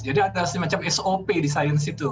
jadi ada semacam sop di sains itu